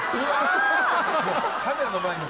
カメラの前に。